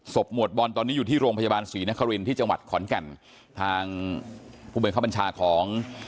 หมวดบอลตอนนี้อยู่ที่โรงพยาบาลศรีนครินที่จังหวัดขอนแก่นทางผู้บังคับบัญชาของ